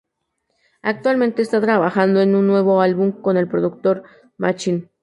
Actualmente está trabajando en un nuevo álbum con el productor Machine.